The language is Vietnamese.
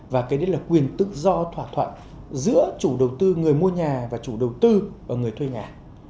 và cái đấy là quyền tự do thỏa thuận giữa chủ đầu tư người mua nhà và chủ đầu tư và người thuê nhà